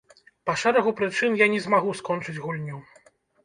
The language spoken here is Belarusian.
Па шэрагу прычын я не змагу скончыць гульню.